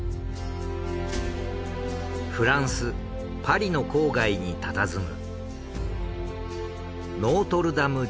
フランスパリの郊外に佇む。